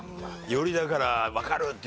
よりだからわかる！っていう。